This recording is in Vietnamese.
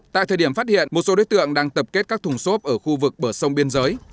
tại thời điểm phát hiện một số đối tượng đang tập kết các thùng xốp ở khu vực bờ sông biên giới